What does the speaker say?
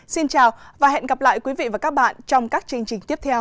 xin chào và hẹn gặp lại quý vị và các bạn trong các chương trình tiếp theo